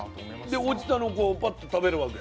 で落ちたのこうパッと食べるわけ？